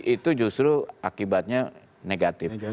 itu justru akibatnya negatif